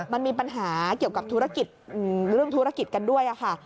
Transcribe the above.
มันมีปัญหาเกี่ยวกับธุรกิจเรื่องธุรกิจกันด้วยค่ะ